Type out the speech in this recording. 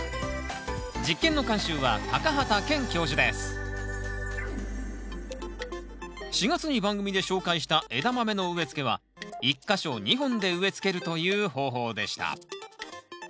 実験の監修は４月に番組で紹介したエダマメの植えつけは１か所２本で植えつけるという方法でした。